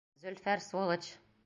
Зөлфәр, сволочь!